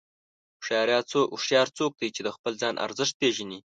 هوښیار څوک دی چې د خپل ځان ارزښت پېژني.